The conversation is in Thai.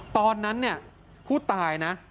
ตอนนั้นเนี่ยผู้ตายนะ